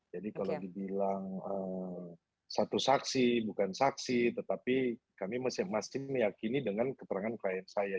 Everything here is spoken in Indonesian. jadi kalau dibilang satu saksi bukan saksi tetapi kami masih meyakini dengan keterangan klien saya